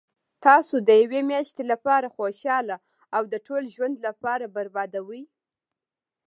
تاسو د یوې میاشتي لپاره خوشحاله او د ټول ژوند لپاره بربادوي